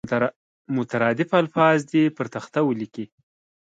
مترادف الفاظ دې پر تخته ولیکي.